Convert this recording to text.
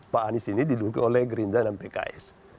pak anies ini didukung oleh gerindra dan pks